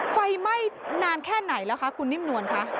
ไฟไหม้นานแค่ไหนแล้วคะคุณนิ่มนวลคะ